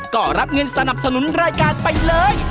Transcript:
ก็รับเงินสนับสนุนรายการไปเลย